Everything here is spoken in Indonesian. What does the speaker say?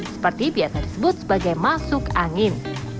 seperti biasa disebut sebagai masuk angin